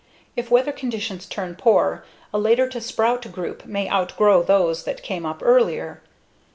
If weather conditions turn poor, a later to sprout group may outgrow those that came up earlier.